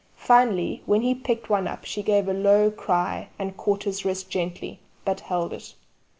Finally, when he picked one up she gave a low cry and caught his wrist gently, but held it.